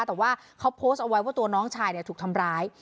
แต่ว่าเขาโพสต์เอาไว้ว่าตัวน้องชายถูกทำร้าย